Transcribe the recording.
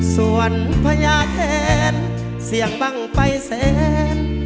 สวนพระนาเทศเสียงบังไปเสน